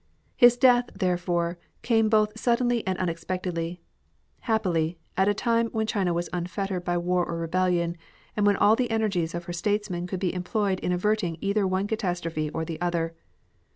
His death, therefore, came both sud denly and unexpectedly ; happily, at a time when China was unfettered by war or rebellion, and when all the energies of her statesmen could be employed in averting either one catastrophe or the other.